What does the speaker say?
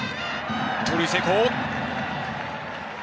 盗塁成功！